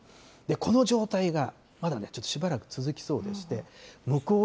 この状態がまだちょっとしばらく続きそうでして、向こう